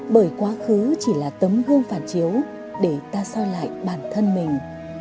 bởi quá khứ chỉ là tấm hương phản chiếu để ta so lại bản thân mình